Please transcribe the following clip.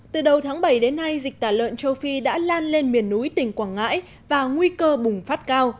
từ đầu tháng bảy đến nay dịch tả lợn châu phi đã lan lên miền núi tỉnh quảng ngãi và nguy cơ bùng phát cao